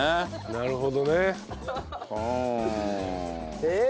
なるほどね。えっ？